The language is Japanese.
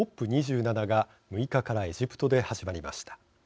ＣＯＰ２７が６日からエジプトで始まりました。